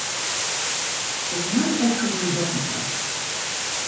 Ik moat efkes nei Dokkum ta.